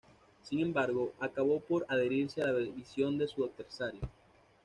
Sin embargo, acabó por adherirse a la visión de su adversario.